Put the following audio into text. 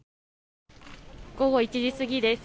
午後１時過ぎです。